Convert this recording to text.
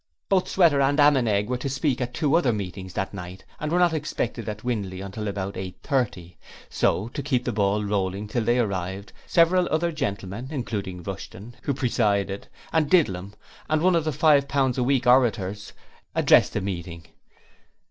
Both Sweater and Ammenegg were to speak at two other meetings that night and were not expected at Windley until about eight thirty, so to keep the ball rolling till they arrived, several other gentlemen, including Rushton who presided and Didlum, and one of the five pounds a week orators, addressed the meeting.